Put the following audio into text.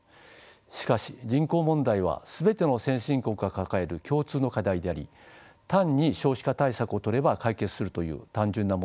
しかし人口問題は全ての先進国が抱える共通の課題であり単に少子化対策をとれば解決するという単純な問題ではありません。